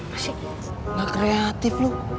masih nggak kreatif lu